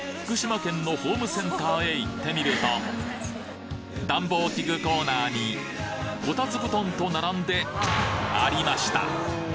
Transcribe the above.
福島県のホームセンターへ行ってみると暖房器具コーナーにこたつ布団と並んでありました！